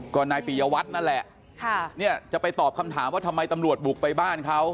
ก็นายปียวัตรนั่นแหละจะไปตอบคำถามว่าทำไมตำรวจบุกไปบ้านเขา